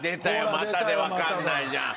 またわかんないじゃん。